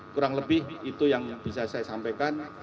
kurang lebih itu yang bisa saya sampaikan